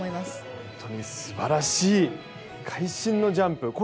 すばらしい会心のジャンプ。